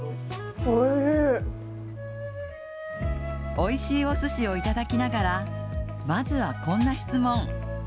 おいしいおすしをいただきながら、まずはこんな質問。